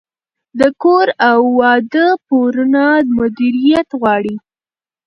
د کور او واده پورونه مدیریت غواړي.